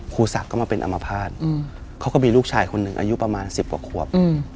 ครูศักดิ์ก็มาเป็นอมภาษณ์เขาก็มีลูกชายคนหนึ่งอายุประมาณ๑๐กว่าขวบ